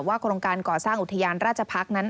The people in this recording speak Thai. ว่ากรงการก่อสร้างอุทยานราชพรรคนั้น